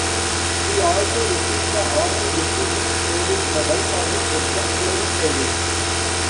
He also received the Army Distinguished Service Medal for his exemplary service.